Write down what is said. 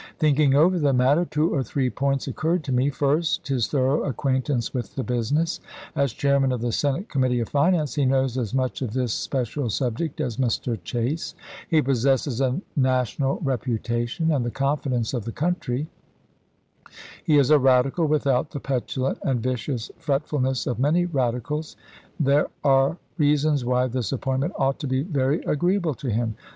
Thinking over the matter, two or three points occurred to me: first, his thorough acquaintance with the business ; as Chairman of the Senate Com mittee of Finance, he knows as much of this special subject as Mr. Chase ; he possesses a national repu tation and the confidence of the country; he is a Radical without the petulant and vicious fretful ness of many Radicals. There are reasons why this appointment ought to be very agreeable to him.